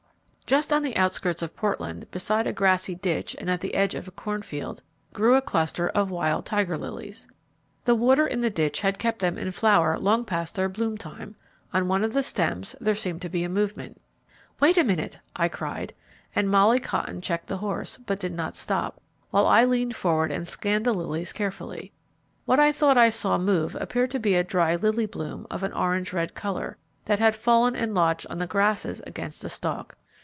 Just on the outskirts of Portland, beside a grassy ditch and at the edge of a cornfield, grew a cluster of wild tiger lilies. The water in the ditch had kept them in flower long past their bloomtime. On one of the stems there seemed to be a movement. "Wait a minute!" I cried, and Molly Cotton checked the horse, but did not stop, while I leaned forward and scanned the lilies carefully. What I thought I saw move appeared to be a dry lily bloom of an orange red colour, that had fallen and lodged on the grasses against a stalk.